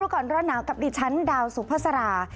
ทุกคนร่อนหนาวกับดิฉันดาวสุภาษารา